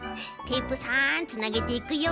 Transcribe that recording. テープさんつなげていくよ。